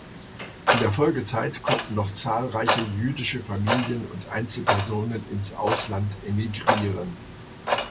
In der Folgezeit konnten noch zahlreiche jüdische Familien und Einzelpersonen ins Ausland emigrieren.